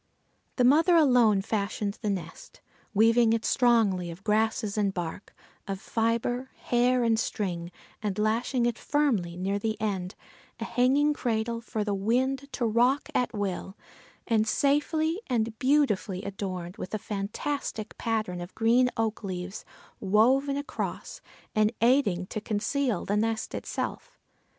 The mother alone fashioned the nest, weaving it strongly of grasses and bark, of fibre, hair and string, and lashing it firmly near the end, a hanging cradle for the wind to rock at will and safely, and beautifully adorned with a fantastic pattern of green oak leaves, woven across, and aiding to conceal the nest itself.